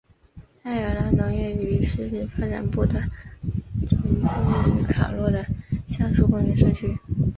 爱尔兰农业与食品发展部的总部位于卡洛的橡树公园社区。